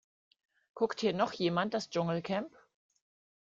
Guckt hier noch jemand das Dschungelcamp?